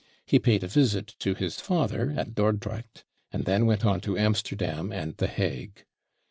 He paid a visit to his father at Dordrecht, and then went on to Amsterdam and the Hague.